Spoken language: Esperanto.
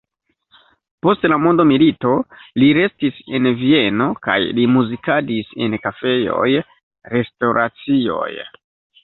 Post la mondomilito li restis en Vieno kaj li muzikadis en kafejoj, restoracioj.